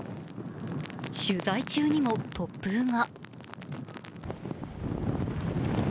取材中にも突風が。